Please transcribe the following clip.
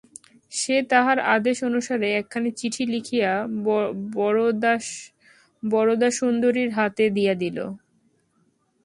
সে তাঁহার আদেশ অনুসারে একখানি চিঠি লিখিয়া বরদাসুন্দরীর হাতে দিয়া দিল।